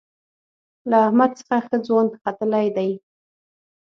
له احمد څخه ښه ځوان ختلی دی.